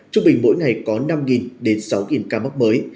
trung bình mỗi ngày có năm đến sáu ca mắc mới